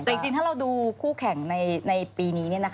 แต่จริงถ้าเราดูคู่แข่งในปีนี้